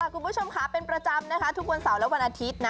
คุณผู้ชมค่ะเป็นประจำนะคะทุกวันเสาร์และวันอาทิตย์นะ